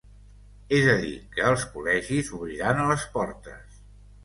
És a dir, que els col·legis obriran les portes.